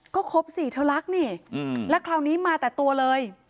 ก็ครบสิเธอรักนี่แล้วคราวนี้มาแต่ตัวเลย